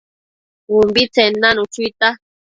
ubitsen nanu chuita